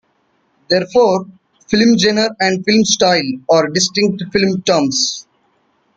Therefore, film genre and film style are distinct film terms.